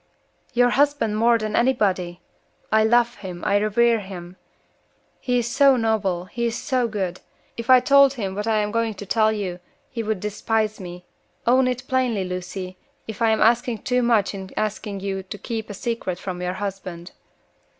"Your husband more than anybody! I love him, I revere him. He is so noble; he is so good! If I told him what I am going to tell you, he would despise me. Own it plainly, Lucy, if I am asking too much in asking you to keep a secret from your husband."